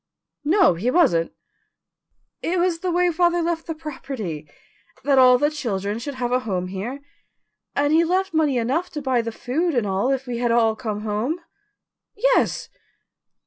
"No, he wasn't." "It was the way father left the property that all the children should have a home here and he left money enough to buy the food and all if we had all come home." "Yes."